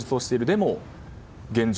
でも現状